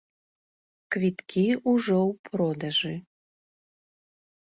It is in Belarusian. Квіткі ужо ў продажы.